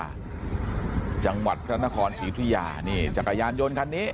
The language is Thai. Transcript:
จังหวัดธนครศรียุธิยาจังหวัดธนครศรียุธิยานี่จักรยานยนต์คันนี้